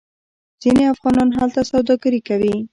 ځینې افغانان هلته سوداګري کوي.